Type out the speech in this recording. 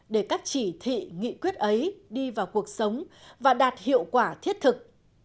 để các chỉ thị nghị quyết ấy đi vào cuộc sống và đạt hiệu quả thiết thực